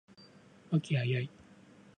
和気藹々